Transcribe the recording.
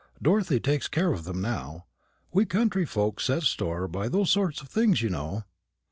Dorothy takes care of them now. We country folks set store by those sort of things, you know."